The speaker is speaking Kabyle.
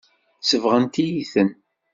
Sebɣent-iyi-ten.